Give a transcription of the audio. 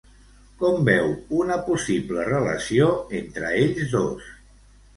Com veu una possible relació entre ells dos?